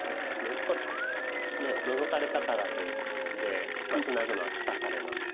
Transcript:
そこノゾかれたからといってツナぐのは利かされなんです。